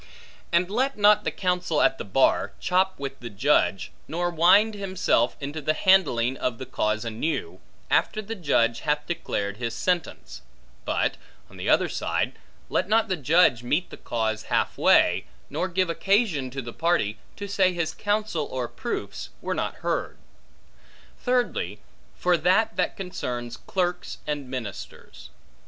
And let not the counsel at the bar, chop with the judge, nor wind himself into the handling of the cause anew, after the judge hath declared his sentence; but, on the other side, let not the judge meet the cause half way, nor give occasion to the party, to say his counsel or proofs were not heard. Thirdly, for that that concerns clerks and ministers.